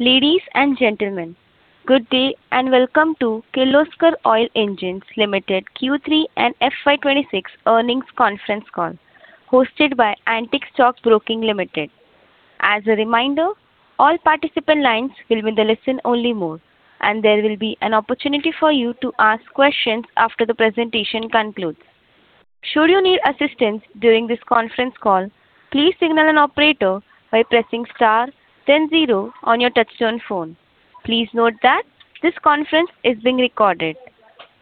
Ladies and gentlemen, good day, and welcome to Kirloskar Oil Engines Limited Q3 and FY 2026 Earnings Conference Call, hosted by Antique Stock Broking Limited. As a reminder, all participant lines will be in the listen-only mode, and there will be an opportunity for you to ask questions after the presentation concludes. Should you need assistance during this conference call, please signal an operator by pressing star then zero on your touchtone phone. Please note that this conference is being recorded.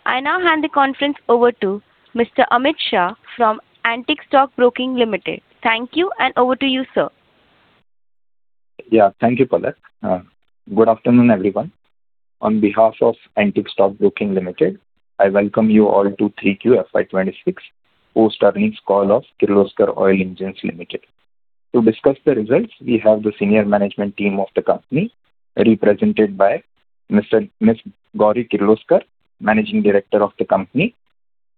I now hand the conference over to Mr. Amit Shah from Antique Stock Broking Limited. Thank you, and over to you, sir. Yeah. Thank you, Palak. Good afternoon, everyone. On behalf of Antique Stock Broking Limited, I welcome you all to Q3 FY26 post earnings call of Kirloskar Oil Engines Limited. To discuss the results, we have the senior management team of the company, represented by Ms. Gauri Kirloskar, Managing Director of the company,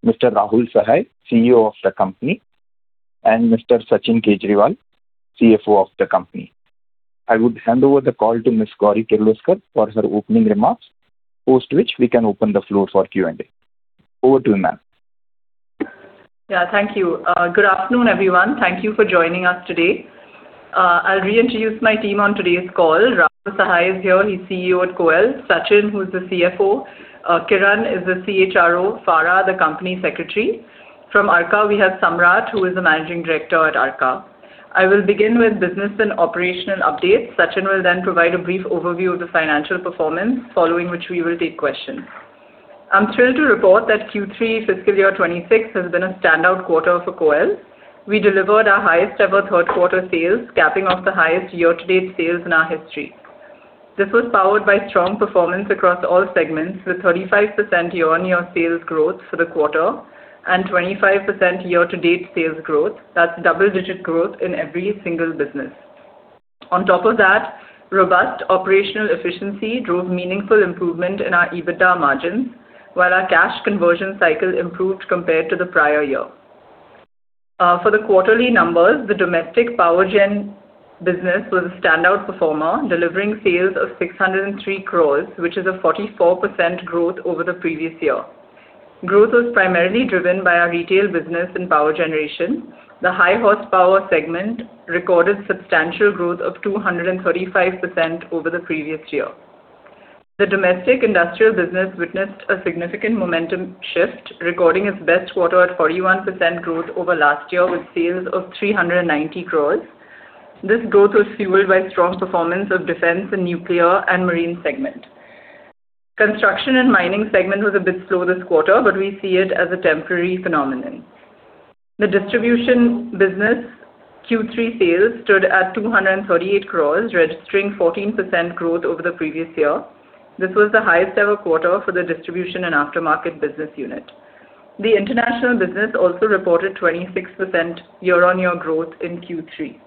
Mr. Rahul Sahai, CEO of the company, and Mr. Sachin Kejriwal, CFO of the company. I would hand over the call to Ms. Gauri Kirloskar for her opening remarks, post which we can open the floor for Q&A. Over to you, ma'am. Yeah. Thank you. Good afternoon, everyone. Thank you for joining us today. I'll reintroduce my team on today's call. Rahul Sahay is here. He's CEO at KOEL. Sachin, who is the CFO, Kiran is the CHRO, Farah, the company secretary. From Arka, we have Samrat, who is the Managing Director at Arka. I will begin with business and operational updates. Sachin will then provide a brief overview of the financial performance, following which we will take questions. I'm thrilled to report that Q3 fiscal year 26 has been a standout quarter for KOEL. We delivered our highest ever third quarter sales, capping off the highest year-to-date sales in our history. This was powered by strong performance across all segments, with 35% year-on-year sales growth for the quarter and 25% year-to-date sales growth. That's double-digit growth in every single business. On top of that, robust operational efficiency drove meaningful improvement in our EBITDA margins, while our cash conversion cycle improved compared to the prior year. For the quarterly numbers, the domestic power gen business was a standout performer, delivering sales of 603 crore, which is a 44% growth over the previous year. Growth was primarily driven by our retail business and power generation. The high horsepower segment recorded substantial growth of 235% over the previous year. The domestic industrial business witnessed a significant momentum shift, recording its best quarter at 41% growth over last year with sales of 390 crore. This growth was fueled by strong performance of defense and nuclear and marine segment. Construction and mining segment was a bit slow this quarter, but we see it as a temporary phenomenon. The distribution business Q3 sales stood at 238 crores, registering 14% growth over the previous year. This was the highest ever quarter for the distribution and aftermarket business unit. The international business also reported 26% year-on-year growth in Q3.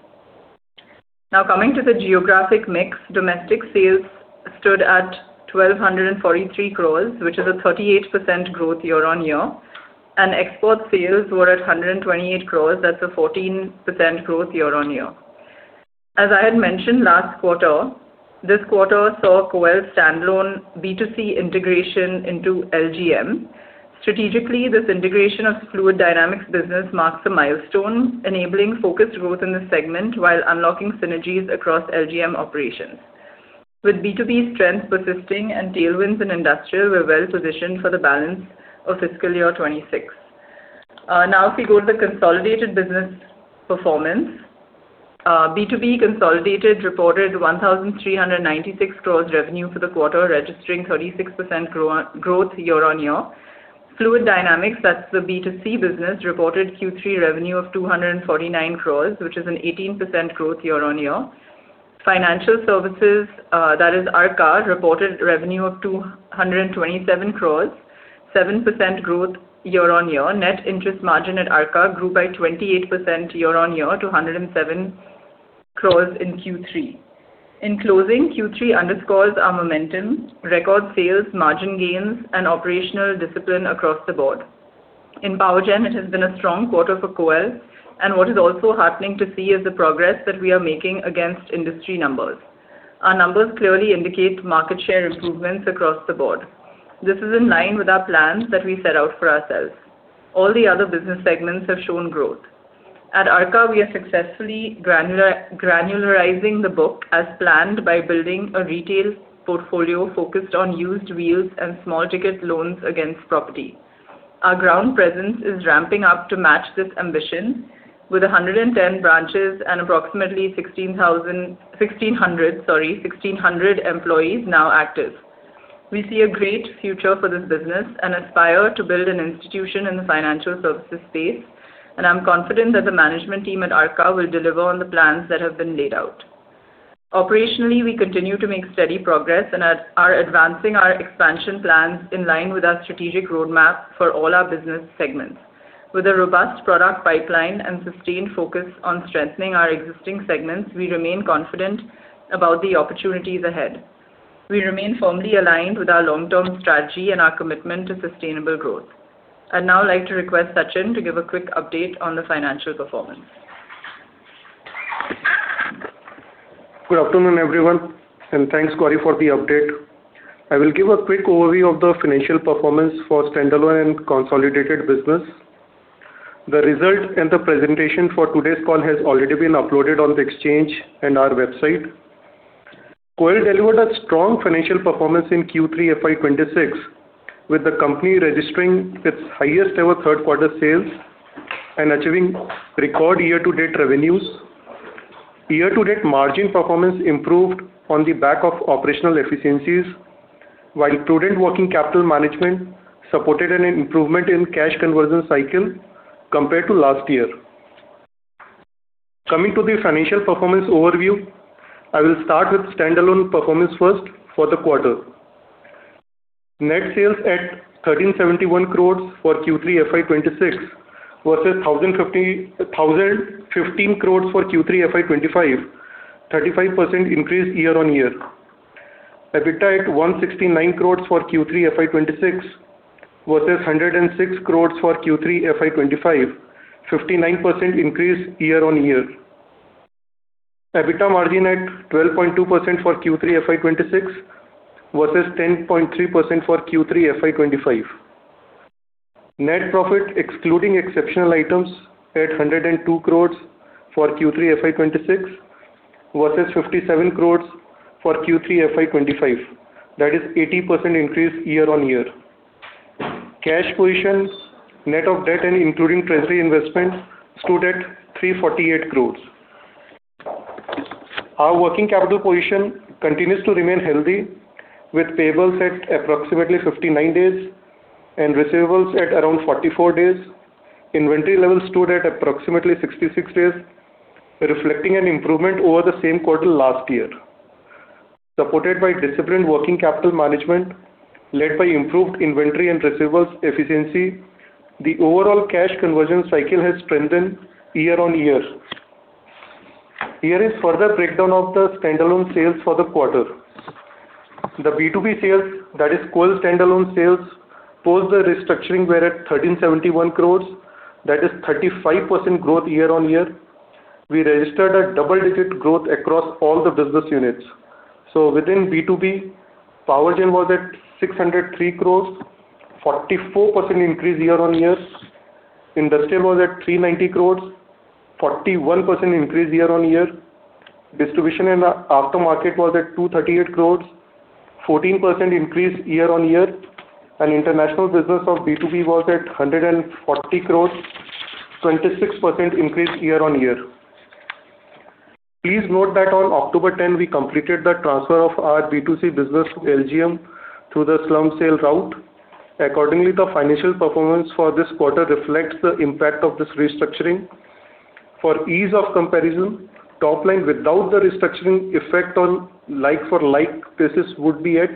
Now, coming to the geographic mix, domestic sales stood at 1,243 crores, which is a 38% growth year-on-year, and export sales were at 128 crores. That's a 14% growth year-on-year. As I had mentioned last quarter, this quarter saw KOEL's standalone B2C integration into LGM. Strategically, this integration of fluid dynamics business marks a milestone, enabling focused growth in the segment while unlocking synergies across LGM operations. With B2B strength persisting and tailwinds in industrial, we're well positioned for the balance of fiscal year 2026. Now if we go to the consolidated business performance, B2B consolidated reported 1,396 crores revenue for the quarter, registering 36% growth year-on-year. Fluid dynamics, that's the B2C business, reported Q3 revenue of 249 crores, which is an 18% growth year-on-year. Financial services, that is Arca, reported revenue of 227 crores, 7% growth year-on-year. Net interest margin at Arca grew by 28% year-on-year to 107 crores in Q3. In closing, Q3 underscores our momentum, record sales, margin gains, and operational discipline across the board. In power gen, it has been a strong quarter for KOEL, and what is also heartening to see is the progress that we are making against industry numbers. Our numbers clearly indicate market share improvements across the board. This is in line with our plans that we set out for ourselves. All the other business segments have shown growth. At Arka, we are successfully granularizing the book as planned by building a retail portfolio focused on used wheels and small ticket loans against property. Our ground presence is ramping up to match this ambition with 110 branches and approximately 1,600 employees now active. We see a great future for this business and aspire to build an institution in the financial services space, and I'm confident that the management team at Arka will deliver on the plans that have been laid out. Operationally, we continue to make steady progress and are advancing our expansion plans in line with our strategic roadmap for all our business segments. With a robust product pipeline and sustained focus on strengthening our existing segments, we remain confident about the opportunities ahead.... We remain firmly aligned with our long-term strategy and our commitment to sustainable growth. I'd now like to request Sachin to give a quick update on the financial performance. Good afternoon, everyone, and thanks, Gauri, for the update. I will give a quick overview of the financial performance for standalone and consolidated business. The result and the presentation for today's call has already been uploaded on the exchange and our website. KOEL delivered a strong financial performance in Q3 FY 2026, with the company registering its highest ever third quarter sales and achieving record year-to-date revenues. Year-to-date margin performance improved on the back of operational efficiencies, while prudent working capital management supported an improvement in cash conversion cycle compared to last year. Coming to the financial performance overview, I will start with standalone performance first for the quarter. Net sales at 1,371 crore for Q3 FY 2026, versus 1,050 crore and 1,015 crore for Q3 FY 2025, 35% increase year-on-year. EBITDA at 169 crores for Q3 FY26, versus 106 crores for Q3 FY25, 59% increase year-on-year. EBITDA margin at 12.2% for Q3 FY26, versus 10.3% for Q3 FY25. Net profit, excluding exceptional items, at 102 crores for Q3 FY26, versus 57 crores for Q3 FY25. That is 80% increase year-on-year. Cash positions, net of debt and including treasury investments, stood at 348 crores. Our working capital position continues to remain healthy, with payables at approximately 59 days and receivables at around 44 days. Inventory levels stood at approximately 66 days, reflecting an improvement over the same quarter last year. Supported by disciplined working capital management, led by improved inventory and receivables efficiency, the overall cash conversion cycle has strengthened year-on-year. Here is further breakdown of the standalone sales for the quarter. The B2B sales, that is, KOEL standalone sales, post the restructuring were at 1,371 crore, that is 35% growth year-on-year. We registered a double-digit growth across all the business units. So within B2B, Power Gen was at 603 crore, 44% increase year-on-year. Industrial was at 390 crore, 41% increase year-on-year. Distribution in the aftermarket was at 238 crore, 14% increase year-on-year, and international business of B2B was at 140 crore, 26% increase year-on-year. Please note that on October 10, we completed the transfer of our B2C business to LGM through the slump sale route. Accordingly, the financial performance for this quarter reflects the impact of this restructuring. For ease of comparison, top line without the restructuring effect on like-for-like basis would be at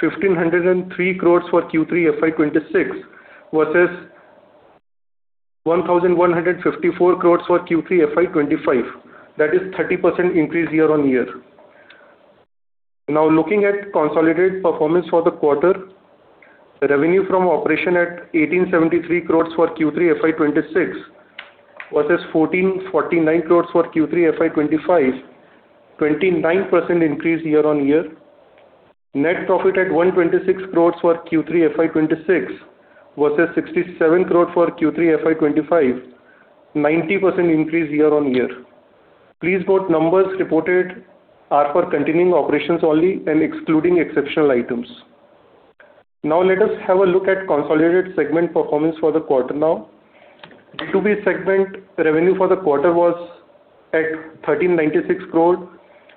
1,503 crores for Q3 FY26, versus 1,154 crores for Q3 FY25. That is 30% increase year-on-year. Now, looking at consolidated performance for the quarter, the revenue from operation at 1,873 crores for Q3 FY26, versus 1,449 crores for Q3 FY25, 29% increase year-on-year. Net profit at 126 crores for Q3 FY26, versus 67 crore for Q3 FY25, 90% increase year-on-year. Please note, numbers reported are for continuing operations only and excluding exceptional items. Now, let us have a look at consolidated segment performance for the quarter now. B2B segment revenue for the quarter was at 1,396 crore,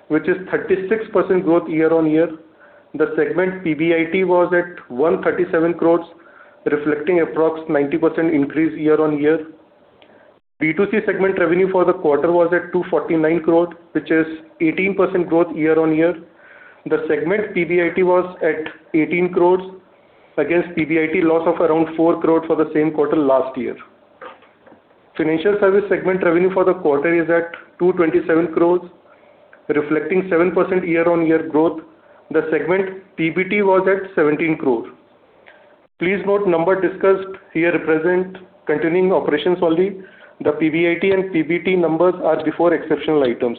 which is 36% growth year-on-year. The segment PBIT was at 137 crore, reflecting approximately 90% increase year-on-year. B2C segment revenue for the quarter was at 249 crore, which is 18% growth year-on-year. The segment PBIT was at 18 crore, against PBIT loss of around 4 crore for the same quarter last year. Financial service segment revenue for the quarter is at 227 crore, reflecting 7% year-on-year growth. The segment PBT was at 17 crore. Please note, numbers discussed here represent continuing operations only. The PBIT and PBT numbers are before exceptional items.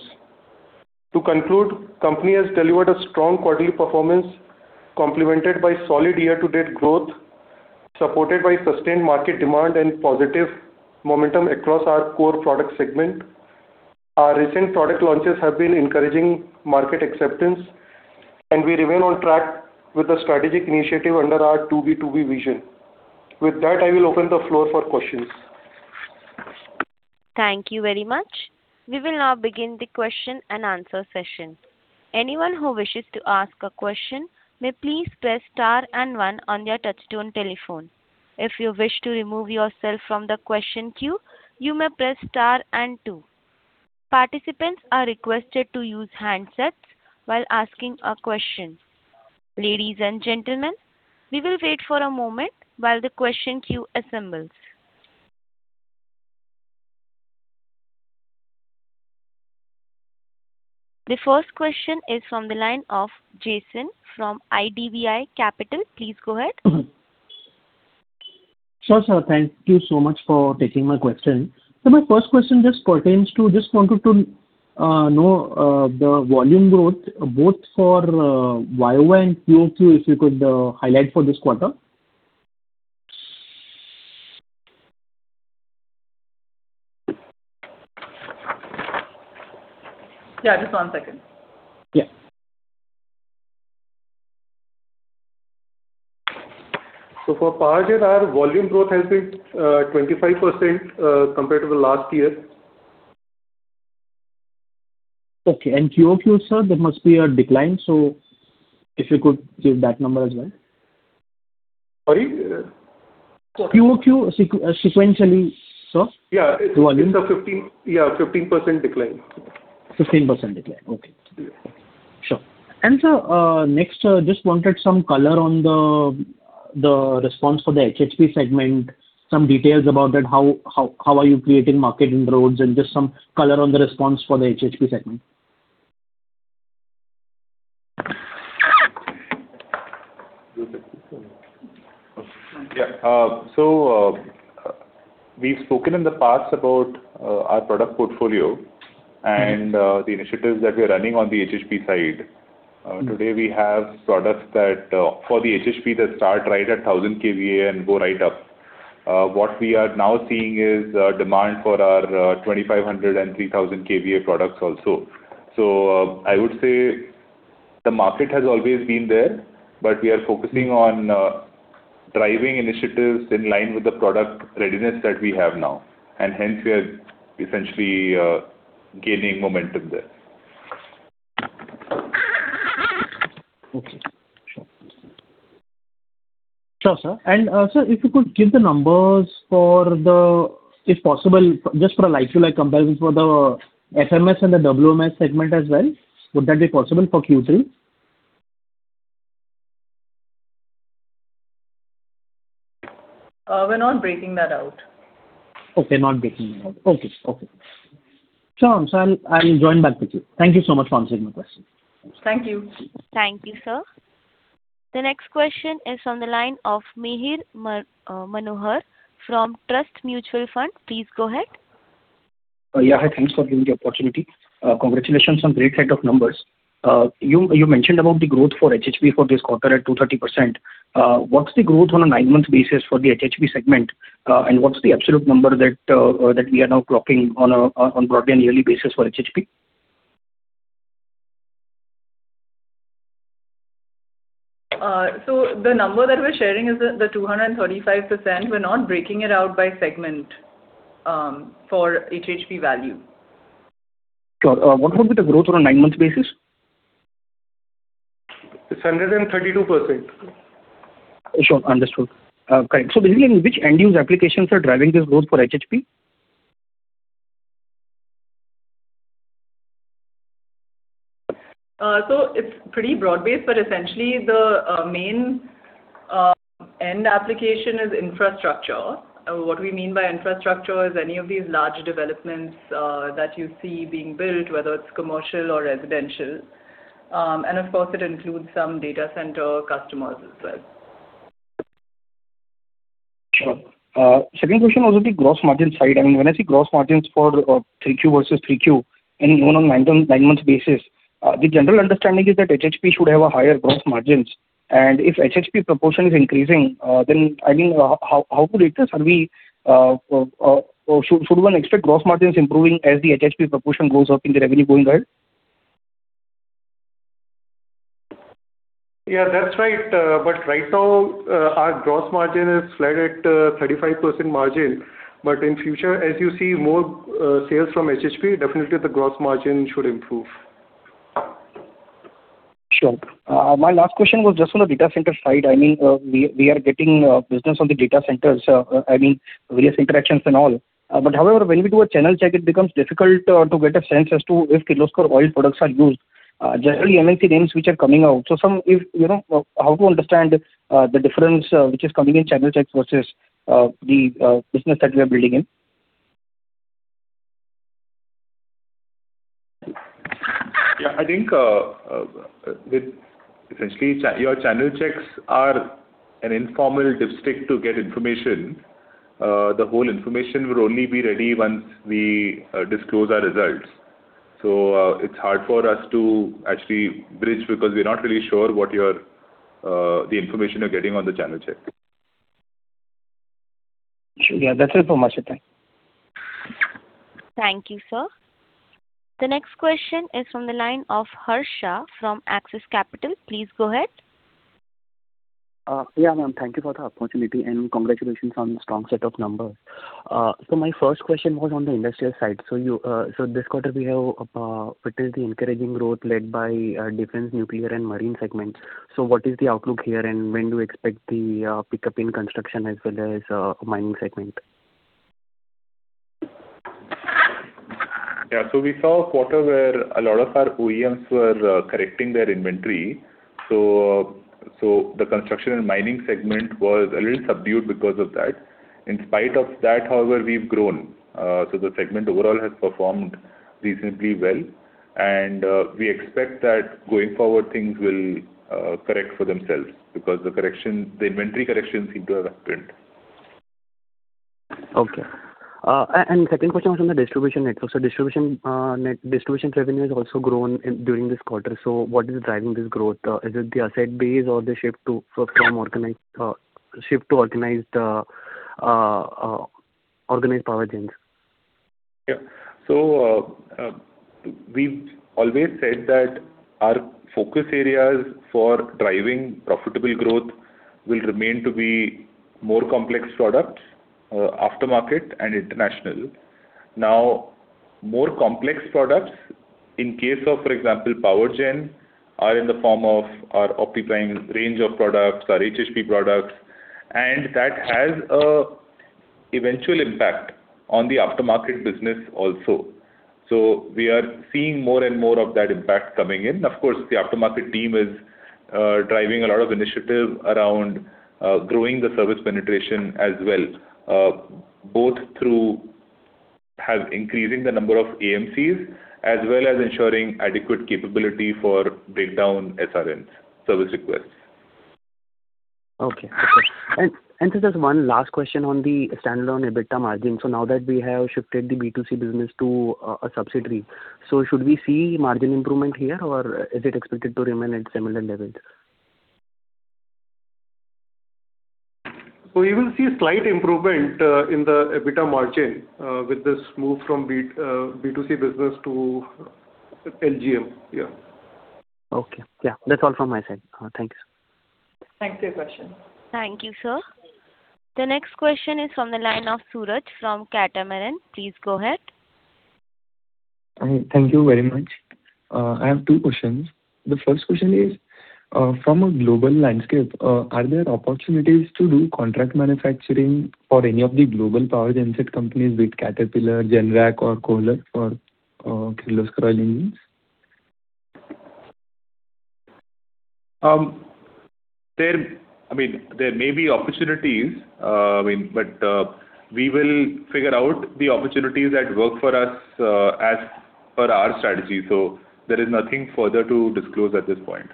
To conclude, company has delivered a strong quarterly performance, complemented by solid year-to-date growth, supported by sustained market demand and positive momentum across our core product segment. Our recent product launches have been encouraging market acceptance, and we remain on track with the strategic initiative under our B2B vision. With that, I will open the floor for questions. Thank you very much. We will now begin the question and answer session. Anyone who wishes to ask a question, may please press star and one on their touchtone telephone. If you wish to remove yourself from the question queue, you may press star and two. Participants are requested to use handsets while asking a question. Ladies and gentlemen, we will wait for a moment while the question queue assembles... The first question is from the line of Jason from IDBI Capital. Please go ahead. Sure, sir. Thank you so much for taking my question. So my first question just pertains to, just wanted to know, the volume growth, both for YOY and QOQ, if you could highlight for this quarter. Yeah, just one second. Yeah. So for power grid, our volume growth has been 25%, compared to the last year. Okay, and QOQ, sir, that must be a decline, so if you could give that number as well. Sorry? Uh- QOQ, sequentially, sir. Yeah. Volume. It's a 15% decline. 15% decline. Okay. Yeah. Sure. And, sir, next, just wanted some color on the, the response for the HHP segment, some details about that, how, how, how are you creating market inroads, and just some color on the response for the HHP segment. Yeah. So, we've spoken in the past about our product portfolio- Mm-hmm. and, the initiatives that we are running on the HHP side. Mm-hmm. Today, we have products that for the HHP start right at 1000 kVA and go right up. What we are now seeing is demand for our 2500 kVA and 3000 kVA products also. So, I would say the market has always been there, but we are focusing on driving initiatives in line with the product readiness that we have now, and hence, we are essentially gaining momentum there. Okay. Sure. Sure, sir. And, sir, if you could give the numbers for the... If possible, just for a like-to-like comparison for the FMS and the WMS segment as well. Would that be possible for Q3? We're not breaking that out. Okay, not breaking it out. Okay. Sure, so I'll join back with you. Thank you so much for answering my question. Thank you. Thank you, sir. The next question is on the line of Mihir Manohar from Trust Mutual Fund. Please go ahead. Yeah, hi. Thanks for giving the opportunity. Congratulations on great set of numbers. You mentioned about the growth for HHP for this quarter at 230%. What's the growth on a nine-month basis for the HHP segment, and what's the absolute number that we are now clocking on broadly a yearly basis for HHP? So the number that we're sharing is the 235%. We're not breaking it out by segment, for HHP value. Sure. What would be the growth on a nine-month basis? It's 132%. Sure. Understood. Great. So basically, which end-use applications are driving this growth for HHP? So it's pretty broad-based, but essentially the main end application is infrastructure. What we mean by infrastructure is any of these large developments that you see being built, whether it's commercial or residential. And of course, it includes some data center customers as well. Sure. Second question was on the gross margin side. I mean, when I see gross margins for 3Q versus 3Q, and even on 9 months basis, the general understanding is that HHP should have higher gross margins. And if HHP proportion is increasing, then, I mean, should one expect gross margins improving as the HHP proportion goes up in the revenue going forward? Yeah, that's right. But right now, our gross margin is flat at 35% margin. But in future, as you see more sales from HHP, definitely the gross margin should improve. Sure. My last question was just on the data center side. I mean, we are getting business on the data centers, I mean, various interactions and all. But however, when we do a channel check, it becomes difficult to get a sense as to if Kirloskar Oil products are used. Generally MNC names which are coming out. So, if you know, how to understand the difference which is coming in channel checks versus the business that we are building in? Yeah, I think, essentially, your channel checks are an informal dipstick to get information. The whole information will only be ready once we disclose our results. So, it's hard for us to actually bridge, because we're not really sure what you're the information you're getting on the channel check. Sure. Yeah, that's it for much. Thank you. Thank you, sir. The next question is from the line of Harsha from Axis Capital. Please go ahead. Yeah, ma'am, thank you for the opportunity, and congratulations on the strong set of numbers. So my first question was on the industrial side. So you, so this quarter we have, what is the encouraging growth led by, defense, nuclear and marine segments. So what is the outlook here, and when do you expect the, pickup in construction as well as, mining segment? Yeah. So we saw a quarter where a lot of our OEMs were correcting their inventory... So the construction and mining segment was a little subdued because of that. In spite of that, however, we've grown. So the segment overall has performed decently well, and we expect that going forward, things will correct for themselves, because the correction, the inventory corrections seem to have happened. Okay. And second question was on the distribution network. So distribution net distribution revenue has also grown during this quarter, so what is driving this growth? Is it the asset base or the shift to organized power gens? Yeah. So, we've always said that our focus areas for driving profitable growth will remain to be more complex products, aftermarket and international. Now, more complex products, in case of, for example, power gen, are in the form of our OptiPrime range of products, our HHP products, and that has an eventual impact on the aftermarket business also. So we are seeing more and more of that impact coming in. Of course, the aftermarket team is driving a lot of initiative around growing the service penetration as well, both through have increasing the number of AMCs, as well as ensuring adequate capability for breakdown SRNs, service requests. Okay. Okay. And, and just one last question on the standalone EBITDA margin. So now that we have shifted the B2C business to a subsidiary, so should we see margin improvement here, or is it expected to remain at similar levels? You will see a slight improvement in the EBITDA margin with this move from B2C business to LGM. Yeah. Okay. Yeah, that's all from my side. Thank you. Thanks for your question. Thank you, sir. The next question is from the line of Suraj from Catamaran. Please go ahead. Hi, thank you very much. I have two questions. The first question is, from a global landscape, are there opportunities to do contract manufacturing for any of the global power genset companies, be it Caterpillar, Generac or Kohler, for Kirloskar Oil Engines? I mean, there may be opportunities, I mean, but we will figure out the opportunities that work for us, as per our strategy. There is nothing further to disclose at this point.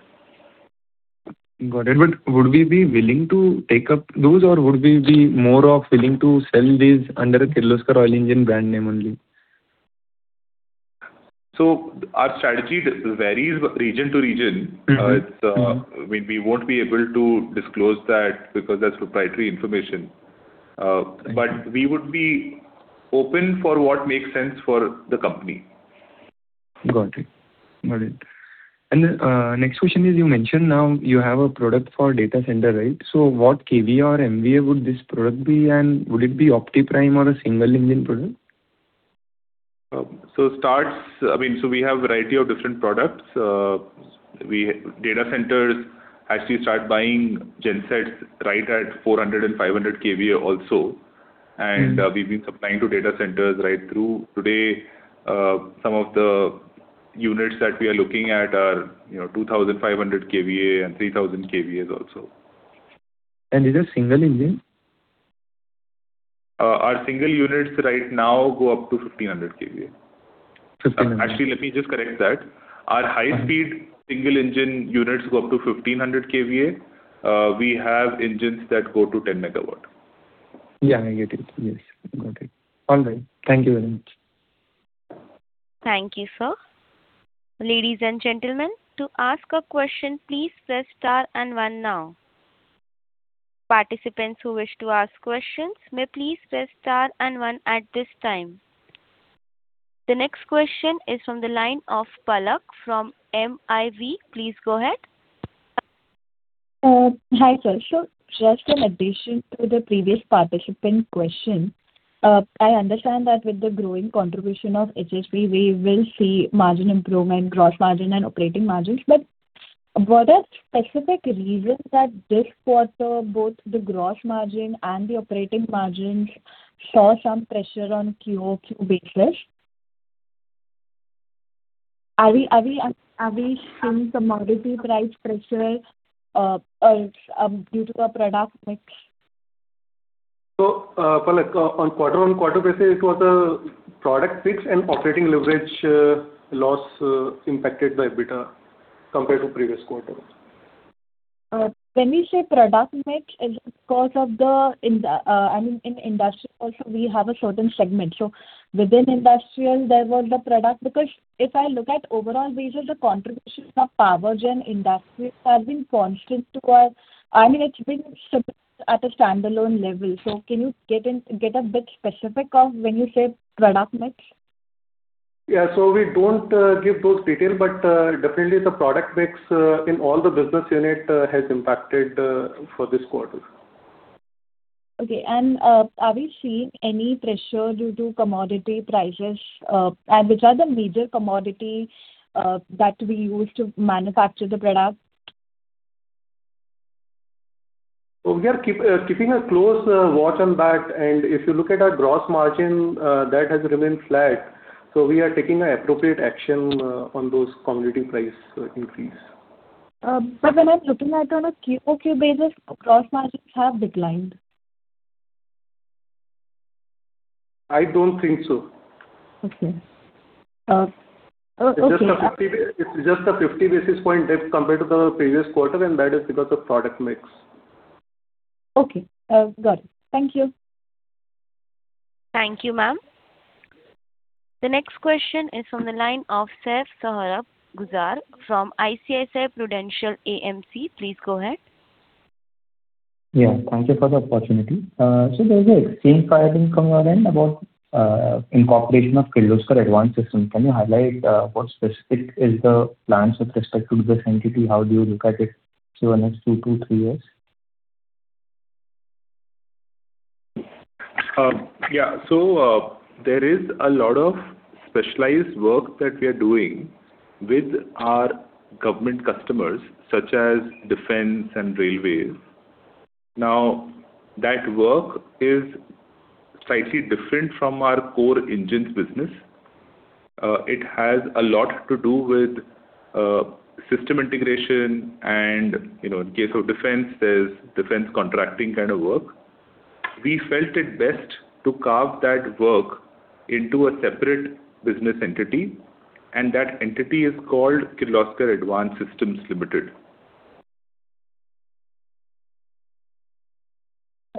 Got it. But would we be willing to take up those, or would we be more of willing to sell these under the Kirloskar Oil Engines brand name only? Our strategy varies region to region. Mm-hmm. Mm. It's, we won't be able to disclose that, because that's proprietary information. Thank you. - but we would be open for what makes sense for the company. Got it. Got it. And then, next question is, you mentioned now you have a product for data center, right? So what kVA or MVA would this product be, and would it be OptiPrime or a single engine product? I mean, so we have a variety of different products. Data centers actually start buying gensets right at 400 and 500 KVA also. Mm-hmm. We've been supplying to data centers right through. Today, some of the units that we are looking at are, you know, 2,500 kVA and 3,000 kVA also. These are single engine? Our single units right now go up to 1500 kVA. Fifteen hundred. Actually, let me just correct that. Okay. Our high-speed single engine units go up to 1,500 kVA. We have engines that go to 10 MW. Yeah, I get it. Yes, got it. All right. Thank you very much. Thank you, sir. Ladies and gentlemen, to ask a question, please press star and one now. Participants who wish to ask questions may please press star and one at this time. The next question is from the line of Palak from MIV. Please go ahead. Hi, sir. So just an addition to the previous participant question. I understand that with the growing contribution of HSP, we will see margin improvement, gross margin and operating margins. But were there specific reasons that this quarter, both the gross margin and the operating margins saw some pressure on QOQ basis? Are we seeing some commodity price pressure due to a product mix? So, Palak, on quarter-on-quarter basis, it was a product mix and operating leverage, loss impacted by EBITDA compared to previous quarter. When you say product mix, is it because of the industrial, I mean, in industrial also we have a certain segment. So within industrial, there was the product, because if I look at overall, these are the contributions of power gen industries have been constant to our, I mean, it's been at a standalone level. So can you get in, get a bit specific of when you say product mix? Yeah, so we don't give those details, but definitely the product mix in all the business unit has impacted for this quarter. Okay. And, are we seeing any pressure due to commodity prices? And which are the major commodity, that we use to manufacture the product? ... So we are keeping a close watch on that, and if you look at our gross margin, that has remained flat, so we are taking the appropriate action on those commodity price increase. But when I'm looking at it on a QOQ basis, gross margins have declined. I don't think so. Okay. Okay. It's just a 50, it's just a 50 basis points dip compared to the previous quarter, and that is because of product mix. Okay. Got it. Thank you. Thank you, ma'am. The next question is from the line of Saif Sarang from ICICI Prudential AMC. Please go ahead. Yeah, thank you for the opportunity. So there is an exchange filing from your end about incorporation of Kirloskar Advanced Systems. Can you highlight what specific is the plans with respect to this entity? How do you look at it to the next two to three years? Yeah. So, there is a lot of specialized work that we are doing with our government customers, such as defense and railways. Now, that work is slightly different from our core engines business. It has a lot to do with, system integration and, you know, in case of defense, there's defense contracting kind of work. We felt it best to carve that work into a separate business entity, and that entity is called Kirloskar Advanced Systems Limited.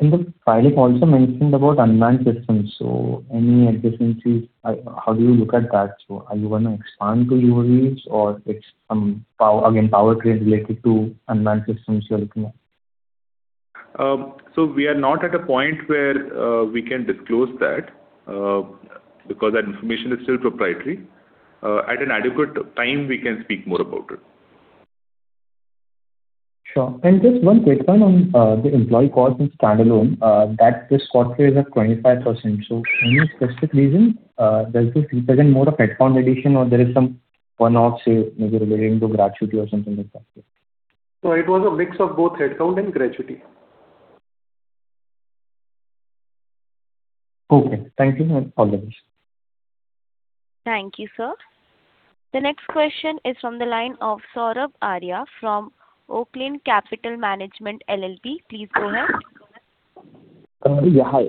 The filing also mentioned about unmanned systems. So any efficiencies, how do you look at that? So are you gonna expand to UAVs or it's some again, powertrain related to unmanned systems you are looking at? We are not at a point where we can disclose that because that information is still proprietary. At an adequate time, we can speak more about it. Sure. And just one quick one on the employee cost in standalone that this quarter is at 25%. So any specific reason does this represent more of headcount addition, or there is some one-off, say, maybe relating to gratuity or something like that? It was a mix of both headcount and gratuity. Okay. Thank you, and all the best. Thank you, sir. The next question is from the line of Saurabh Arya from Oaklane Capital Management LLC. Please go ahead. Yeah, hi.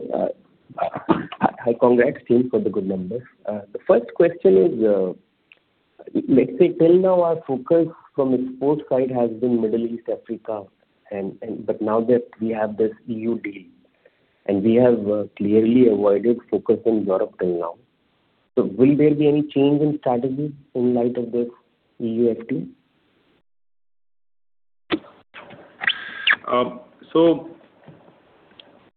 Hi, congrats, team, for the good numbers. The first question is, let's say till now, our focus from exports side has been Middle East, Africa, and but now that we have this EU deal, and we have clearly avoided focus in Europe till now. So will there be any change in strategy in light of this EU FTA? So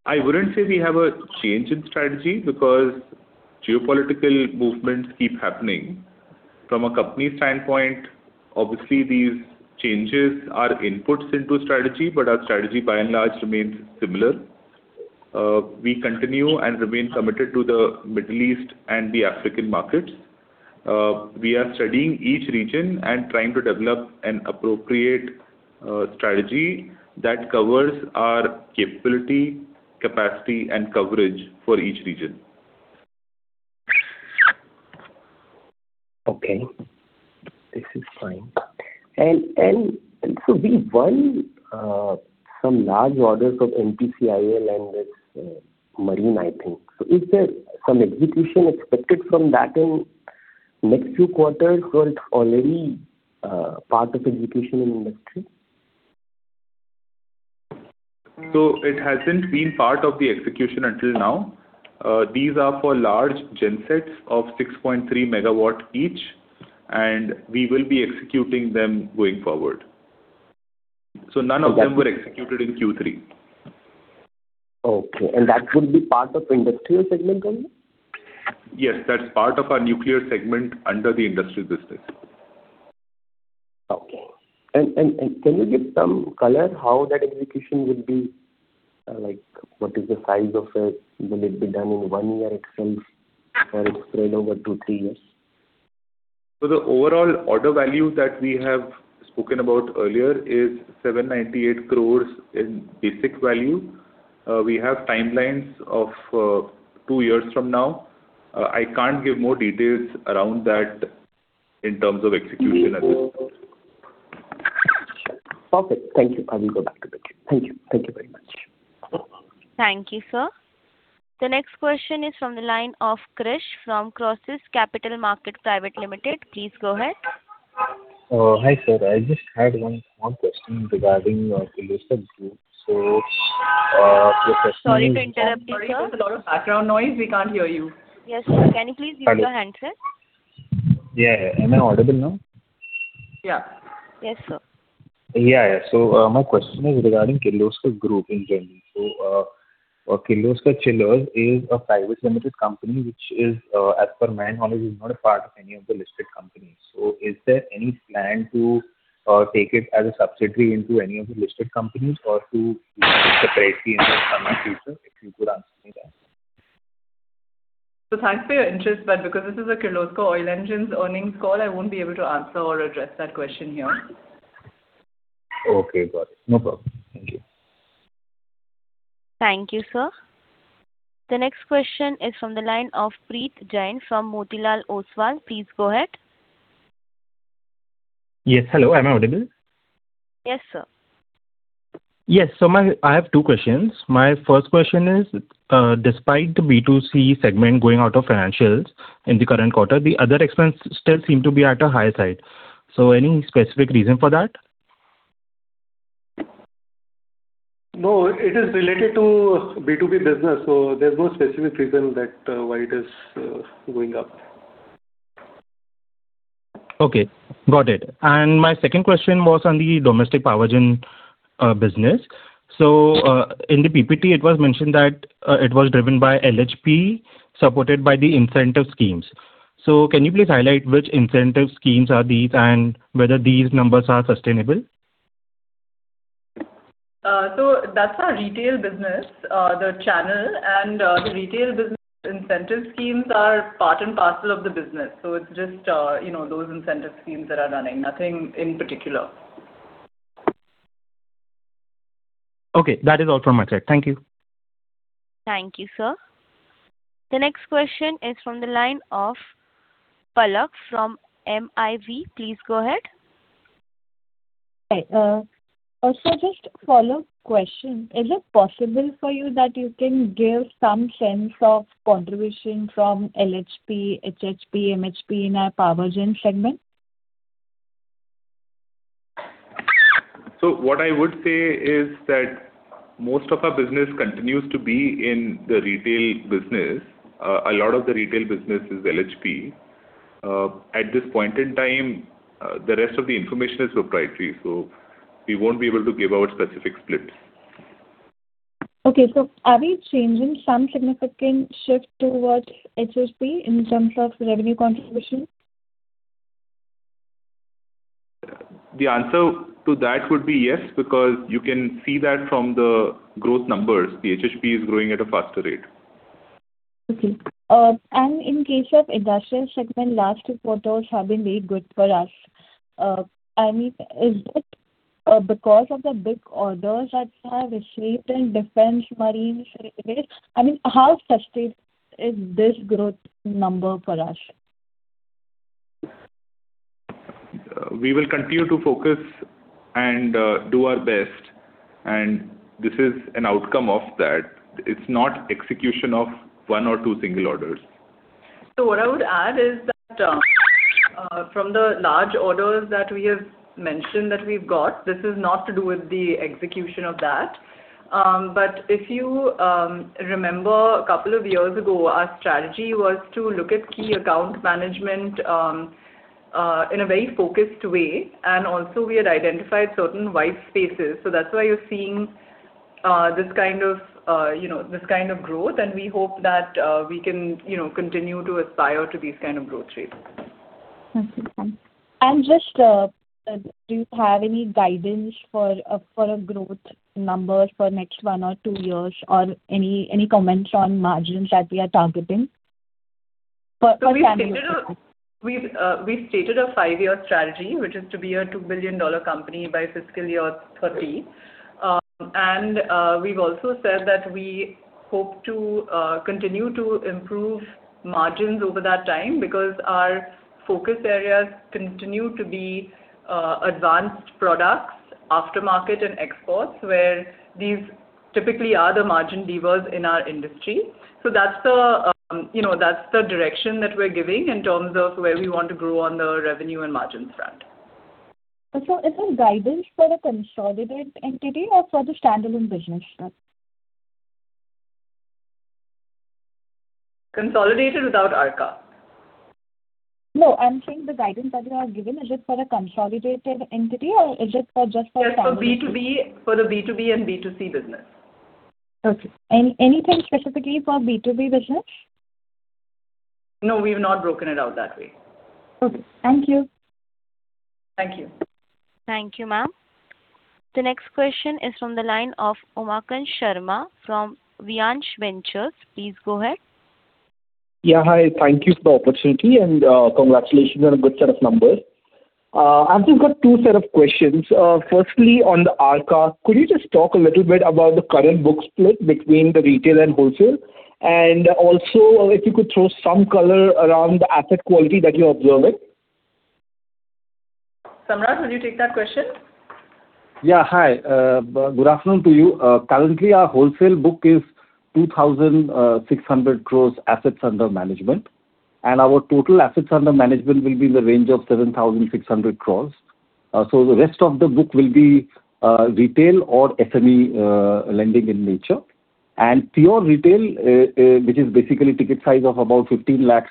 I wouldn't say we have a change in strategy because geopolitical movements keep happening. From a company standpoint, obviously, these changes are inputs into strategy, but our strategy, by and large, remains similar. We continue and remain committed to the Middle East and the African markets. We are studying each region and trying to develop an appropriate strategy that covers our capability, capacity, and coverage for each region. Okay, this is fine. And so we won some large orders of NPCIL and this marine, I think. So is there some execution expected from that in next few quarters, or it's already part of execution in industry? So it hasn't been part of the execution until now. These are for large gen sets of 6.3 MW each, and we will be executing them going forward. So none of them were executed in Q3. Okay, and that would be part of industrial segment only? Yes, that's part of our nuclear segment under the industrial business. Okay. Can you give some color how that execution would be? Like, what is the size of it? Will it be done in one year itself, or it's spread over two, three years? The overall order value that we have spoken about earlier is 798 crore in basic value. We have timelines of two years from now. I can't give more details around that in terms of execution at this Sure. Perfect. Thank you. I will go back to the team. Thank you. Thank you very much. Thank you, sir. The next question is from the line of Krish from Crosseas Capital Market Private Limited. Please go ahead. Hi, sir. I just had one more question regarding Kirloskar Group. So, the question is- Sorry to interrupt you, sir. Sorry, there's a lot of background noise. We can't hear you. Yes, sir. Can you please use your handset? Yeah. Am I audible now? Yeah. Yes, sir. Yeah, yeah. So, my question is regarding Kirloskar Group in general. So, Kirloskar Chillers is a private limited company, which is, as per my knowledge, is not a part of any of the listed companies. So is there any plan to, take it as a subsidiary into any of the listed companies or to separately in the future, if you could answer me that?... So thanks for your interest, but because this is a Kirloskar Oil Engines earnings call, I won't be able to answer or address that question here. Okay, got it. No problem. Thank you. Thank you, sir. The next question is from the line of Preet Jain from Motilal Oswal. Please go ahead. Yes, hello, am I audible? Yes, sir. Yes, so I have two questions. My first question is, despite the B2C segment going out of financials in the current quarter, the other expenses still seem to be at a higher side. So any specific reason for that? No, it is related to B2B business, so there's no specific reason that, why it is going up. Okay, got it. My second question was on the domestic power gen business. In the PPT it was mentioned that it was driven by LHP, supported by the incentive schemes. Can you please highlight which incentive schemes are these, and whether these numbers are sustainable? So that's our retail business. The channel and the retail business incentive schemes are part and parcel of the business. So it's just, you know, those incentive schemes that are running, nothing in particular. Okay, that is all from my side. Thank you. Thank you, sir. The next question is from the line of Palak from MIV. Please go ahead. Hi, also just a follow-up question. Is it possible for you that you can give some sense of contribution from LHP, HHP, MHP in our power gen segment? So what I would say is that most of our business continues to be in the retail business. A lot of the retail business is LHP. At this point in time, the rest of the information is proprietary, so we won't be able to give out specific splits. Okay, so are we changing some significant shift towards HHP in terms of revenue contribution? The answer to that would be yes, because you can see that from the growth numbers, the HHP is growing at a faster rate. Okay. And in case of industrial segment, last quarters have been very good for us. I mean, is it because of the big orders that have shipped in defense, marine, railways? I mean, how sustained is this growth number for us? We will continue to focus and, do our best, and this is an outcome of that. It's not execution of one or two single orders. So what I would add is that, from the large orders that we have mentioned that we've got, this is not to do with the execution of that. But if you remember a couple of years ago, our strategy was to look at key account management in a very focused way, and also we had identified certain white spaces. So that's why you're seeing this kind of you know this kind of growth, and we hope that we can you know continue to aspire to these kind of growth rates. Okay, thank you. And just, do you have any guidance for a, for a growth number for next one or two years, or any, any comments on margins that we are targeting for- So we've stated a 5-year strategy, which is to be a $2 billion company by fiscal year 2030. And we've also said that we hope to continue to improve margins over that time, because our focus areas continue to be advanced products, aftermarket and exports, where these typically are the margin levers in our industry. So that's the, you know, that's the direction that we're giving in terms of where we want to grow on the revenue and margins front. So is the guidance for a consolidated entity or for the standalone business? Consolidated without Arka. No, I'm saying the guidance that you have given, is it for a consolidated entity or is it for just for- It's for B2B, for the B2B and B2C business. Okay. Anything specifically for B2B business? No, we've not broken it out that way. Okay. Thank you. Thank you. Thank you, ma'am. The next question is from the line of Omkar Sharma from Vyanch Ventures. Please go ahead. Yeah, hi. Thank you for the opportunity and, congratulations on a good set of numbers. I've just got two set of questions. Firstly, on the Arka, could you just talk a little bit about the current book split between the retail and wholesale? And also, if you could throw some color around the asset quality that you're observing. Samrat, would you take that question? Yeah. Hi, good afternoon to you. Currently, our wholesale book is 2,600 crore assets under management, and our total assets under management will be in the range of 7,600 crore. So the rest of the book will be retail or SME lending in nature. Pure retail, which is basically ticket size of about 15 lakh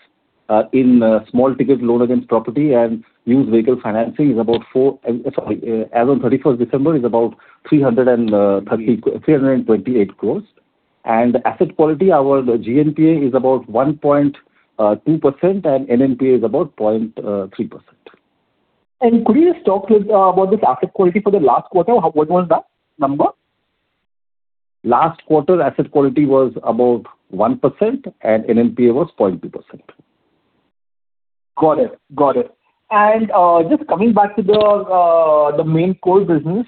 in small ticket loan against property and used vehicle financing, is about—sorry—as on thirty-first December, is about 328 crore. Asset quality, our GNPA is about 1.2% and NNPA is about 0.3%.... Could you just talk with, about this asset quality for the last quarter? What, what was the number? Last quarter, asset quality was about 1%, and NNPA was 0.2%. Got it. Got it. And, just coming back to the, the main core business,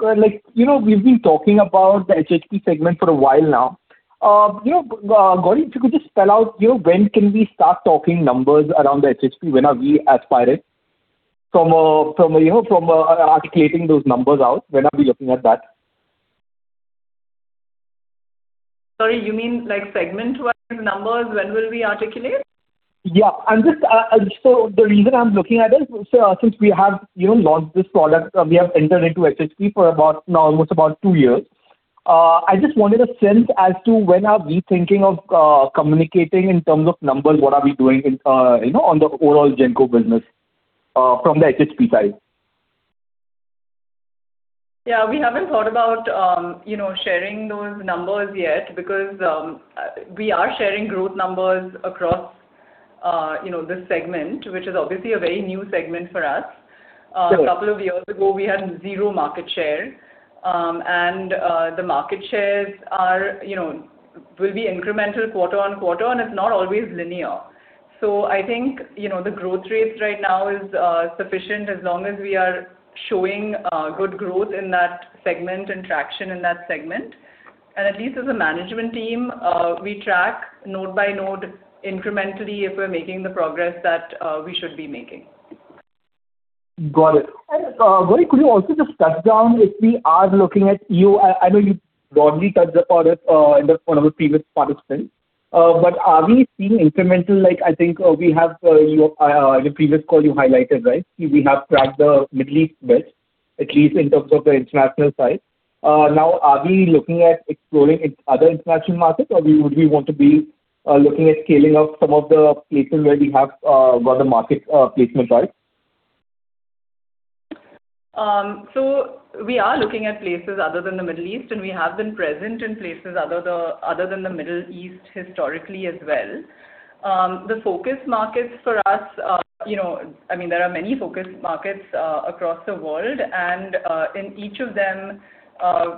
like, you know, we've been talking about the HHP segment for a while now. You know, Gauri, if you could just spell out, you know, when can we start talking numbers around the HHP? When are we aspiring from, from, you know, from, articulating those numbers out? When are we looking at that? Sorry, you mean, like, segment-wide numbers, when will we articulate? Yeah. I'm just, so the reason I'm looking at it, so since we have, you know, launched this product, we have entered into HHP for about now, almost about two years. I just wanted a sense as to when are we thinking of, communicating in terms of numbers, what are we doing in, you know, on the overall genset business, from the HHP side? Yeah, we haven't thought about, you know, sharing those numbers yet, because we are sharing growth numbers across, you know, this segment, which is obviously a very new segment for us. Sure. A couple of years ago, we had zero market share. The market shares are, you know, will be incremental quarter on quarter, and it's not always linear. So I think, you know, the growth rates right now is sufficient as long as we are showing good growth in that segment and traction in that segment. And at least as a management team, we track node by node incrementally if we're making the progress that we should be making. Got it. And, Gauri, could you also just touch down if we are looking at, you know, I know you broadly touched upon it, in the one of the previous parts then. But are we seeing incremental, like, I think, we have, you, in the previous call you highlighted, right? We have tracked the Middle East well, at least in terms of the international side. Now, are we looking at exploring other international markets, or we would want to be, looking at scaling up some of the places where we have, got the market, placement right? So we are looking at places other than the Middle East, and we have been present in places other than the Middle East historically as well. The focus markets for us, you know, I mean, there are many focus markets across the world, and in each of them,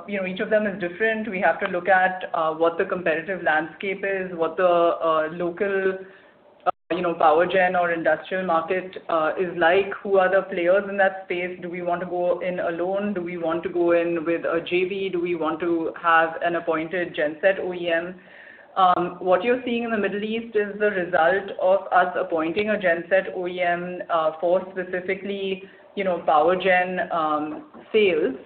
you know, each of them is different. We have to look at what the competitive landscape is, what the local, you know, power gen or industrial market is like, who are the players in that space? Do we want to go in alone? Do we want to go in with a JV? Do we want to have an appointed genset OEM? What you're seeing in the Middle East is the result of us appointing a genset OEM for specifically, you know, power gen sales.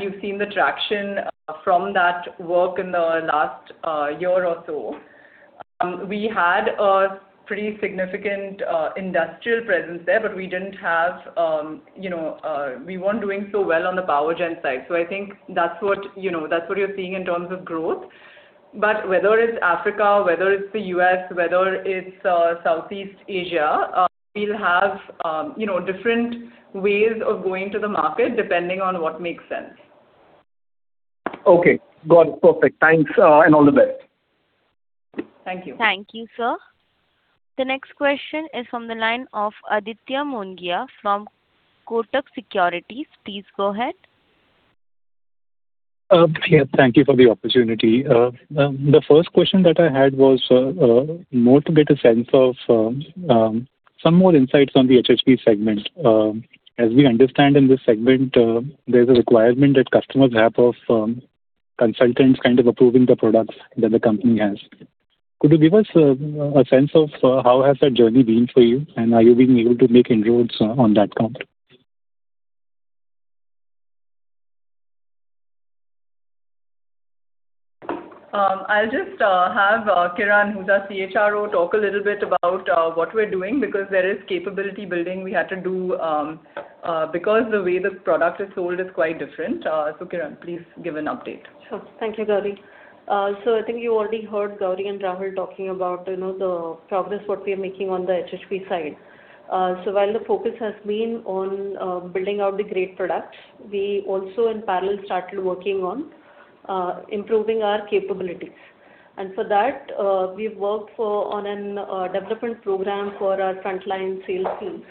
You've seen the traction from that work in the last year or so. We had a pretty significant industrial presence there, but we didn't have, you know, we weren't doing so well on the power gen side. So I think that's what, you know, that's what you're seeing in terms of growth. But whether it's Africa, whether it's the U.S., whether it's Southeast Asia, we'll have, you know, different ways of going to the market, depending on what makes sense. Okay, got it. Perfect. Thanks, and all the best. Thank you. Thank you, sir. The next question is from the line of Aditya Mongia from Kotak Securities. Please go ahead. Yeah, thank you for the opportunity. The first question that I had was more to get a sense of some more insights on the HHP segment. As we understand in this segment, there's a requirement that customers have of consultants kind of approving the products that the company has. Could you give us a sense of how has that journey been for you, and are you being able to make inroads on that count? I'll just have Kiran, who's our CHRO, talk a little bit about what we're doing, because there is capability building we had to do, because the way this product is sold is quite different. So, Kiran, please give an update. Sure. Thank you, Gauri. So I think you already heard Gauri and Rahul talking about, you know, the progress what we are making on the HHP side. So while the focus has been on building out the great products, we also in parallel started working on improving our capabilities. And for that, we've worked on a development program for our frontline sales teams,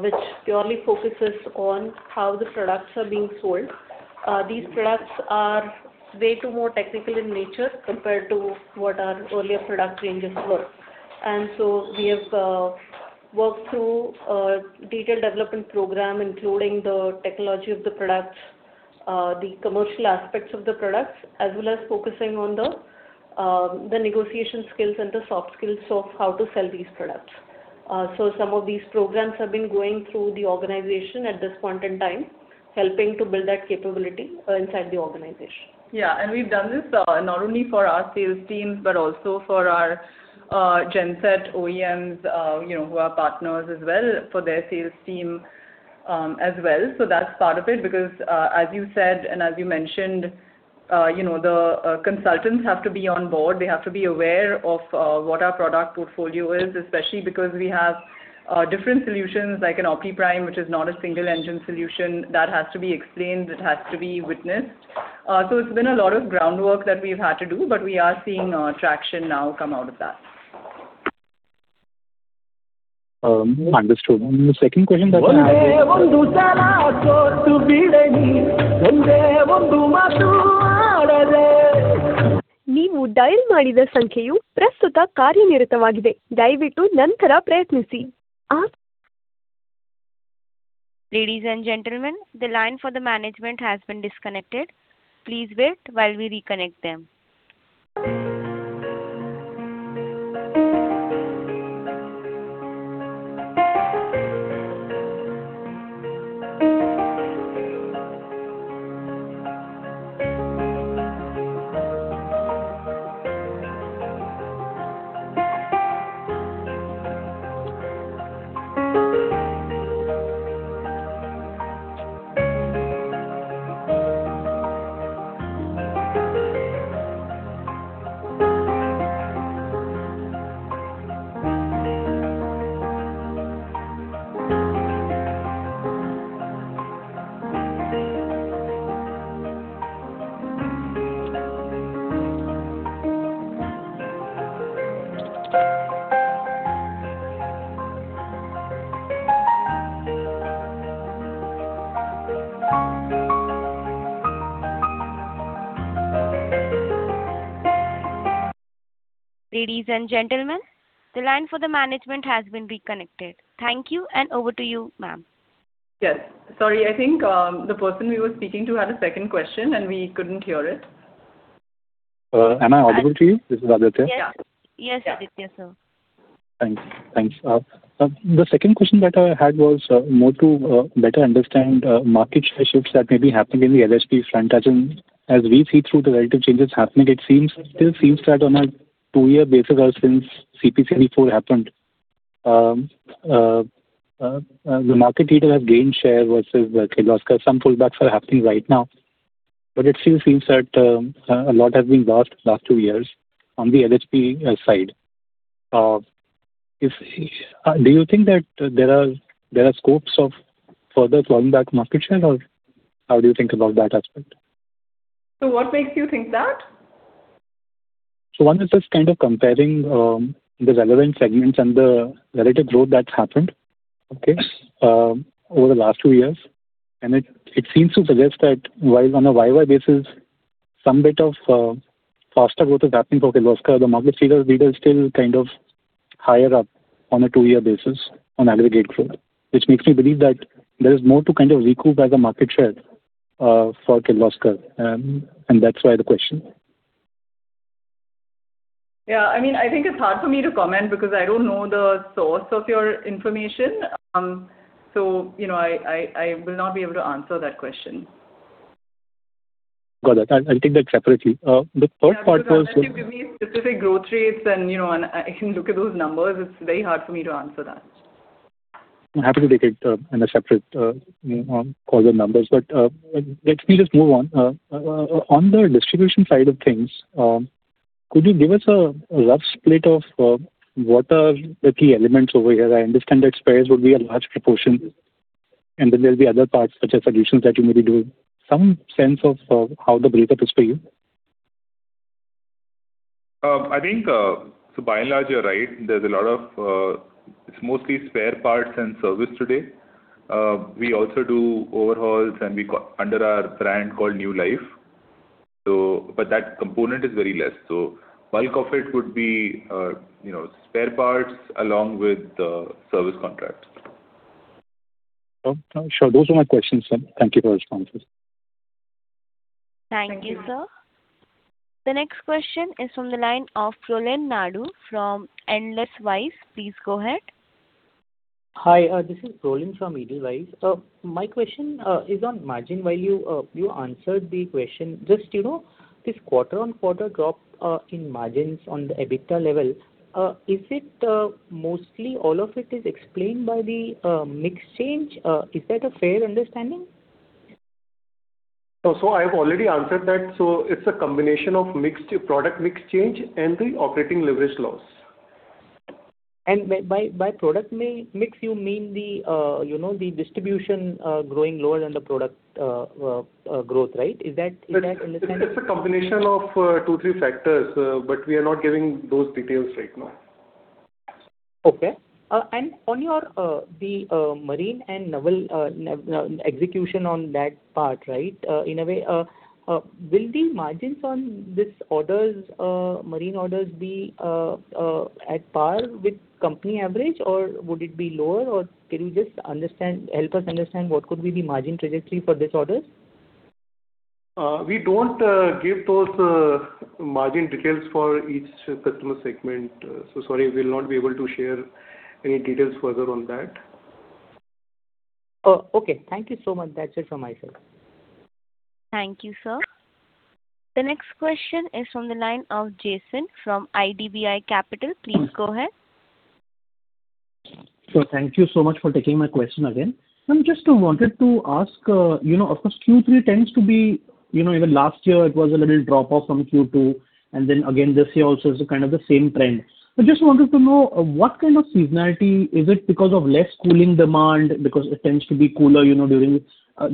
which purely focuses on how the products are being sold. These products are way too more technical in nature compared to what our earlier product ranges were. And so we have worked through a detailed development program, including the technology of the products, the commercial aspects of the products, as well as focusing on the negotiation skills and the soft skills of how to sell these products. So, some of these programs have been going through the organization at this point in time, helping to build that capability inside the organization. Yeah, and we've done this, not only for our sales teams, but also for our, genset OEMs, you know, who are partners as well, for their sales team, as well. So that's part of it, because, as you said, and as you mentioned, you know, the, consultants have to be on board. They have to be aware of, what our product portfolio is, especially because we have, different solutions, like an OptiPrime, which is not a single engine solution. That has to be explained, it has to be witnessed. So it's been a lot of groundwork that we've had to do, but we are seeing, traction now come out of that. ... understood. And the second question that- Ladies and gentlemen, the line for the management has been disconnected. Please wait while we reconnect them. Ladies and gentlemen, the line for the management has been reconnected. Thank you, and over to you, ma'am. Yes. Sorry, I think, the person we were speaking to had a second question, and we couldn't hear it. Am I audible to you? This is Aditya. Yes. Yes, Aditya, sir. Thanks. Thanks. The second question that I had was, more to better understand, market share shifts that may be happening in the LHP front. As in, as we see through the relative changes happening, it seems, still seems that on a 2-year basis, since CP 34 happened, the market leader has gained share versus Kirloskar. Some pullbacks are happening right now, but it still seems that, a lot has been lost last 2 years on the LHP side. If... Do you think that there are, there are scopes of further pulling back market share, or how do you think about that aspect? So what makes you think that? So one is just kind of comparing the relevant segments and the relative growth that's happened, okay, over the last two years. And it seems to suggest that while on a YY basis, some bit of faster growth is happening for Kirloskar, the market leader is still kind of higher up on a two-year basis on aggregate growth. Which makes me believe that there is more to kind of recoup as a market share for Kirloskar, and that's why the question. Yeah, I mean, I think it's hard for me to comment because I don't know the source of your information. So, you know, I will not be able to answer that question. Got it. I'll take that separately. The third part was- Yeah, because unless you give me specific growth rates and, you know, and I can look at those numbers, it's very hard for me to answer that. I'm happy to take it in a separate, you know, call your numbers. But let me just move on. On the distribution side of things, could you give us a rough split of what are the key elements over here? I understand that spares would be a large proportion, and then there'll be other parts, such as solutions, that you may be doing. Some sense of how the breakup is for you? I think, so by and large, you're right. There's a lot of. It's mostly spare parts and service today. We also do overhauls and we do under our brand called New Life. So, but that component is very less. So bulk of it would be, you know, spare parts along with the service contracts. Sure. Those are my questions, then. Thank you for your responses. Thank you, sir. Thank you. The next question is from the line of Rolan Nadu from Edelweiss. Please go ahead. Hi, this is Rohan from Edelweiss. My question is on margin value. You answered the question. Just, you know, this quarter-on-quarter drop in margins on the EBITDA level, is it mostly all of it is explained by the mix change? Is that a fair understanding? I have already answered that. It's a combination of mix, product mix change and the operating leverage loss. By product mix, you mean the, you know, the distribution growth, right? Is that understanding? It's a combination of two, three factors, but we are not giving those details right now. Okay. And on your, the, marine and naval execution on that part, right, in a way, will the margins on this orders, marine orders be, at par with company average, or would it be lower? Or can you just understand, help us understand what could be the margin trajectory for this orders? We don't give those margin details for each customer segment. So sorry, we'll not be able to share any details further on that. Oh, okay. Thank you so much. That's it from my side. Thank you, sir. The next question is from the line of Jason from IDBI Capital. Please go ahead. So thank you so much for taking my question again. I just wanted to ask, you know, of course, Q3 tends to be, you know, even last year it was a little drop off from Q2, and then again, this year also is a kind of the same trend. So just wanted to know, what kind of seasonality, is it because of less cooling demand, because it tends to be cooler, you know, during...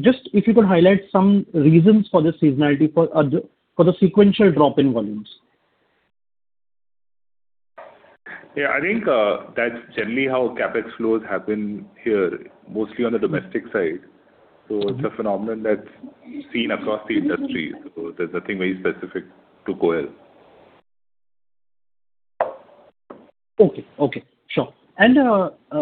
Just if you could highlight some reasons for the seasonality for the sequential drop in volumes?... Yeah, I think, that's generally how CapEx flows happen here, mostly on the domestic side. So it's a phenomenon that's seen across the industry, so there's nothing very specific to KOEL. Okay, okay. Sure. And,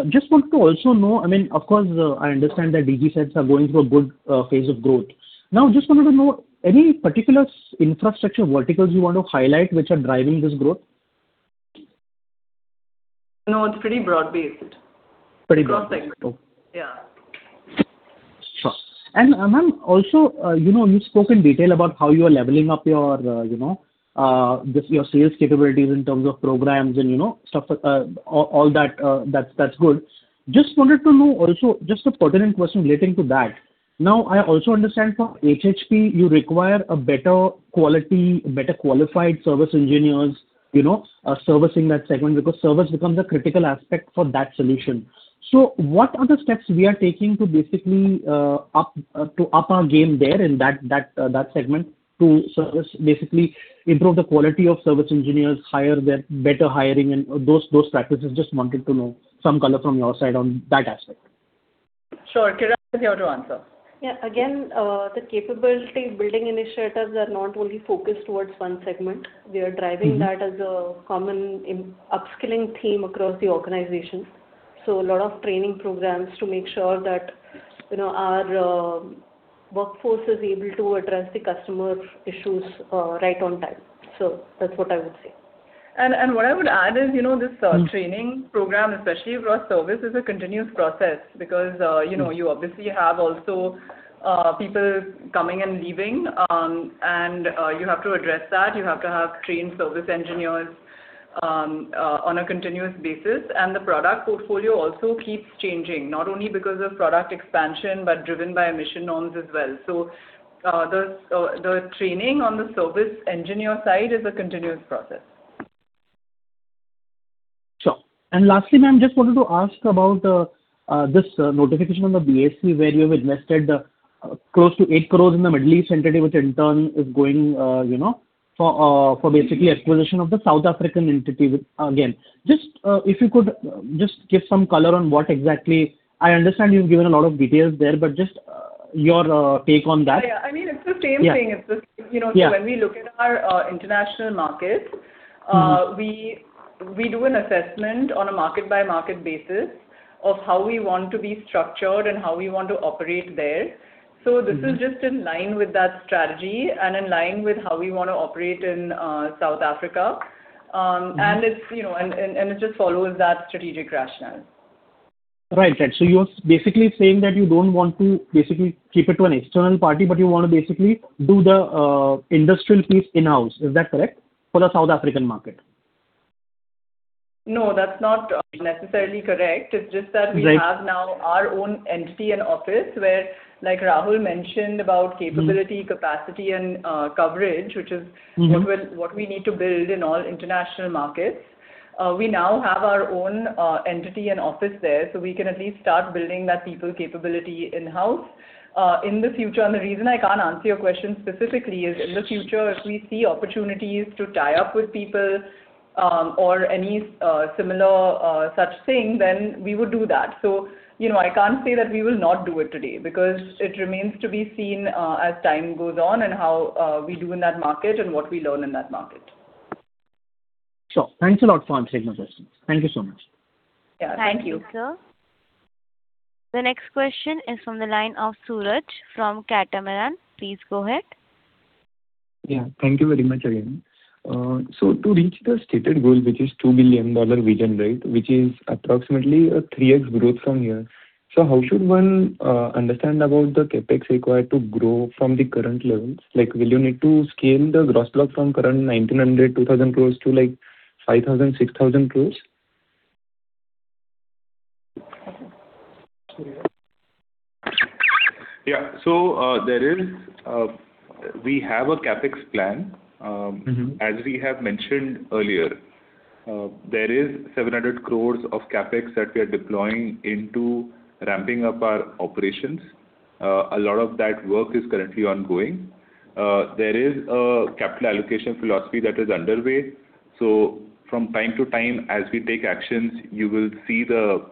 just want to also know, I mean, of course, I understand that DG sets are going through a good phase of growth. Now, just wanted to know, any particular infrastructure verticals you want to highlight which are driving this growth? No, it's pretty broad-based. Pretty broad-based. Across segments. Yeah. Sure. And, ma'am, also, you know, you spoke in detail about how you are leveling up your, you know, just your sales capabilities in terms of programs and, you know, stuff, all that, that's good. Just wanted to know also, just a pertinent question relating to that. Now, I also understand from HHP, you require a better quality, better qualified service engineers, you know, servicing that segment, because service becomes a critical aspect for that solution. So what are the steps we are taking to basically up our game there in that segment to service, basically improve the quality of service engineers, hire the better hiring and those practices? Just wanted to know some color from your side on that aspect. Sure. Kiran is here to answer. Yeah, again, the capability building initiatives are not only focused towards one segment. We are driving that as a common upskilling theme across the organization. So a lot of training programs to make sure that, you know, our workforce is able to address the customer issues right on time. So that's what I would say. And what I would add is, you know, this training program, especially across service, is a continuous process, because, you know, you obviously have also people coming and leaving, and you have to address that. You have to have trained service engineers on a continuous basis, and the product portfolio also keeps changing, not only because of product expansion, but driven by emission norms as well. So, the training on the service engineer side is a continuous process. Sure. And lastly, ma'am, just wanted to ask about this notification on the BSE, where you have invested close to 8 crore in the Middle East entity, which in turn is going, you know, for basically acquisition of the South African entity with... Again, just if you could just give some color on what exactly - I understand you've given a lot of details there, but just your take on that. Yeah, I mean, it's the same thing. Yeah. It's just, you know- Yeah. When we look at our international markets, we do an assessment on a market-by-market basis of how we want to be structured and how we want to operate there. Mm-hmm. So this is just in line with that strategy and in line with how we want to operate in South Africa. And it's, you know, it just follows that strategic rationale. Right. Right. So you're basically saying that you don't want to basically keep it to an external party, but you want to basically do the industrial piece in-house. Is that correct, for the South African market? No, that's not necessarily correct. Right. It's just that we have now our own entity and office, where, like Rahul mentioned, about capability, capacity and coverage, which is- Mm-hmm... what we need to build in all international markets. We now have our own entity and office there, so we can at least start building that people capability in-house in the future. And the reason I can't answer your question specifically is, in the future, if we see opportunities to tie up with people or any similar such thing, then we would do that. So, you know, I can't say that we will not do it today, because it remains to be seen as time goes on and how we do in that market and what we learn in that market. Sure. Thanks a lot for answering my questions. Thank you so much. Yeah. Thank you, sir. The next question is from the line of Suraj from Catamaran. Please go ahead. Yeah, thank you very much again. So to reach the stated goal, which is $2 billion vision, right, which is approximately a 3x growth from here. So how should one understand about the CapEx required to grow from the current levels? Like, will you need to scale the gross block from current 1,900 crores-2,000 crores to, like, 5,000 crores-6,000 crores? Yeah. So, there is, we have a CapEx plan. Mm-hmm. -as we have mentioned earlier, there is 700 crore of CapEx that we are deploying into ramping up our operations. A lot of that work is currently ongoing. There is a capital allocation philosophy that is underway. So from time to time, as we take actions, you will see the,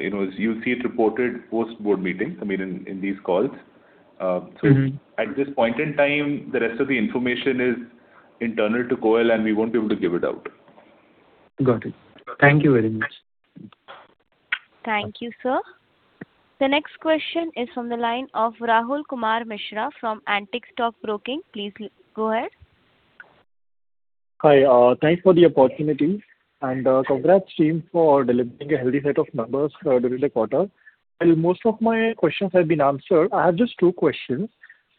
you know, you'll see it reported post-board meetings, I mean, in these calls. Mm-hmm. At this point in time, the rest of the information is internal to KOEL, and we won't be able to give it out. Got it. Thank you very much. Thank you, sir. The next question is from the line of Rahul Kumar Mishra from Antique Stock Broking. Please go ahead. Hi, thanks for the opportunity, and congrats team for delivering a healthy set of numbers during the quarter. Most of my questions have been answered. I have just two questions.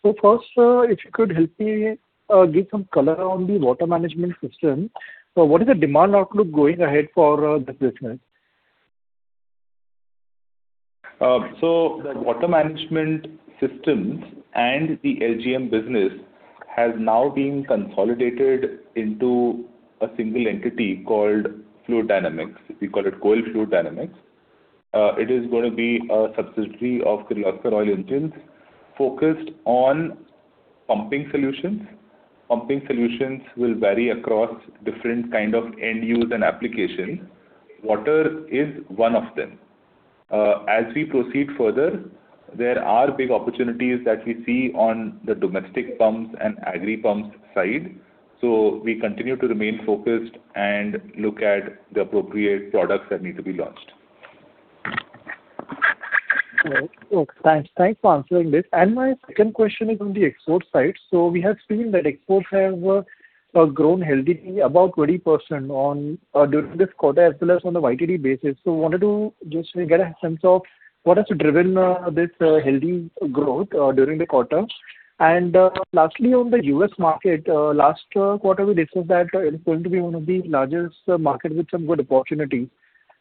First, if you could help me give some color on the water management system. What is the demand outlook going ahead for the business? So, the water management systems and the LGM business has now been consolidated into a single entity called Fluid Dynamics. We call it KOEL Fluid Dynamics. It is going to be a subsidiary of Kirloskar Oil Engines, focused on pumping solutions. Pumping solutions will vary across different kind of end use and application. Water is one of them. As we proceed further, there are big opportunities that we see on the domestic pumps and agri pumps side, so we continue to remain focused and look at the appropriate products that need to be launched. Okay. Thanks, thanks for answering this. And my second question is on the export side. So we have seen that exports have grown healthy, about 20% on during this quarter, as well as on the YTD basis. So wanted to just get a sense of what has driven this healthy growth during the quarter? And lastly, on the U.S. market, last quarter, we discussed that it's going to be one of the largest market with some good opportunities.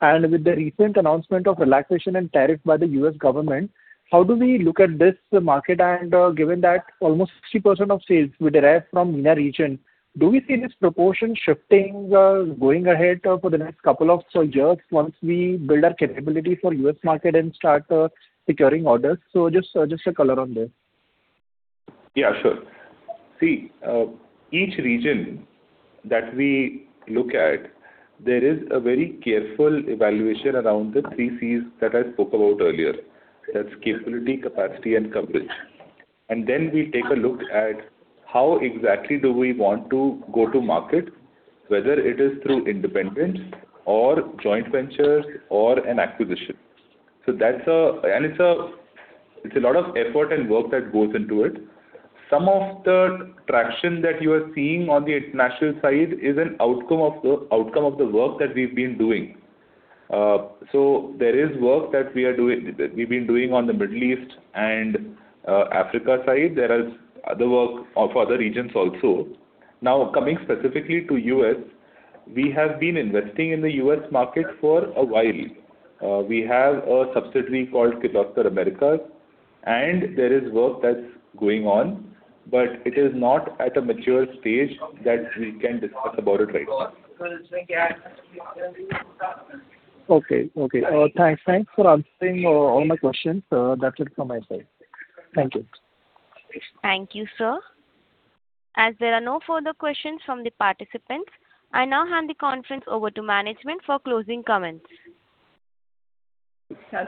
And with the recent announcement of relaxation and tariff by the U.S. government, how do we look at this market? And given that almost 60% of sales we derive from MENA region, do we see this proportion shifting going ahead for the next couple of years, once we build our capability for U.S. market and start securing orders? So, just a color on this. Yeah, sure. See, each region that we look at, there is a very careful evaluation around the three Cs that I spoke about earlier. That's capability, capacity and coverage. And then we take a look at how exactly do we want to go to market, whether it is through independence or joint ventures or an acquisition. So that's and it's a, it's a lot of effort and work that goes into it. Some of the traction that you are seeing on the international side is an outcome of the, outcome of the work that we've been doing. So there is work that we are doing, we've been doing on the Middle East and, Africa side. There is other work for other regions also. Now, coming specifically to U.S., we have been investing in the U.S. market for a while. We have a subsidiary called Kirloskar Americas, and there is work that's going on, but it is not at a mature stage that we can discuss about it right now. Okay. Okay. Thanks. Thanks for answering all my questions. That's it from my side. Thank you. Thank you, sir. As there are no further questions from the participants, I now hand the conference over to management for closing comments.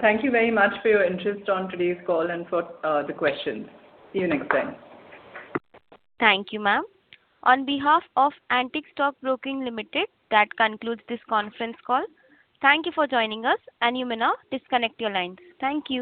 Thank you very much for your interest on today's call and for the questions. See you next time. Thank you, ma'am. On behalf of Antique Stock Broking Limited, that concludes this conference call. Thank you for joining us, and you may now disconnect your lines. Thank you.